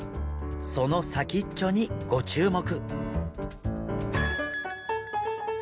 その先っちょにご注目！